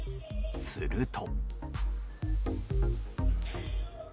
すると。